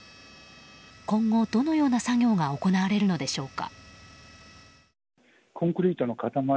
今後、どのような作業が行われるのでしょうか。